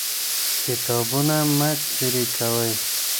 کتابونه مه څيرې کوئ.